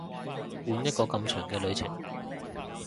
換一個咁長嘅旅程